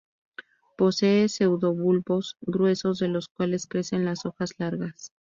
Posee pseudobulbos gruesos de los cuales crecen las hojas largas.